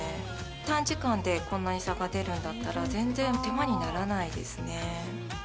短時間でこんなに差が出るんだったら全然手間にならないですね